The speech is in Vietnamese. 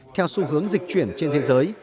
theo xu hướng dịch chuyển trên thế giới